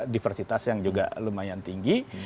diversitas yang juga lumayan tinggi